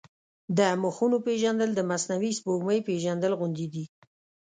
د مخونو پېژندل د مصنوعي سپوږمۍ پېژندل غوندې دي.